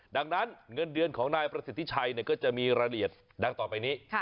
ดังนั้นเงินเดือนของนายประสิทธิชัยก็จะมีรายละเอียดดังต่อไปนี้